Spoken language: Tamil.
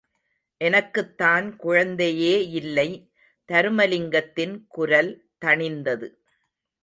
எனக்குத்தான் குழந்தையேயில்லை தருமலிங்கத்தின் குரல் தணிந்தது.